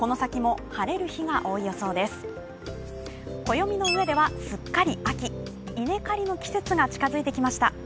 暦の上ではすっかり秋、稲刈りの季節が近づいてきました。